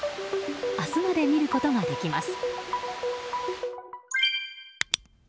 明日まで見ることができます。